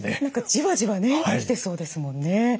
何かじわじわね来てそうですもんね。